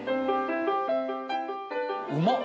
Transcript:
うまっ